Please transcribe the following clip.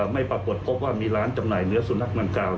ไม่ปรากฏพบว่ามีร้านจำหน่ายเนื้อสุนัขดังกล่าว